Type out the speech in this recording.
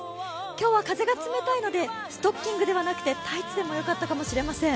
今日は風が冷たいのでストッキングではなくてタイツでもよかったかもしれません。